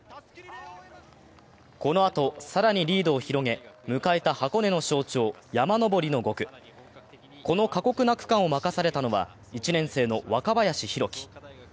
このあと、更にリードを広げ迎えた箱根の象徴、山登りの５区、この過酷な区間を任されたのは１年生の若林宏樹。